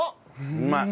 うまい。